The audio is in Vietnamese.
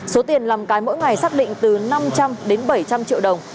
số tiền làm cái mỗi ngày xác định từ năm trăm linh đến bảy trăm linh triệu đồng